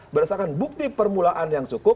berdasarkan bukti permulaan yang cukup